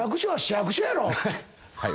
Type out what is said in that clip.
はい。